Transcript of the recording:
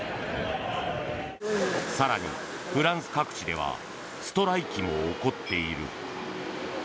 更に、フランス各地ではストライキも起こっている。